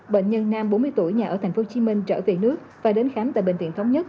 bệnh nhân nam bốn mươi tuổi nhà ở tp hcm trở về nước và đến khám tại bệnh viện thống nhất